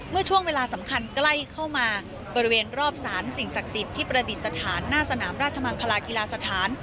เมื่อช่วงเวลาสำคัญใกล้เข้ามาบริเวณรอบสารสิ่งศักดิ์สิทธิ์ที่ประดิษฐานหน้าสนามราชมังคลากีฬาสถาน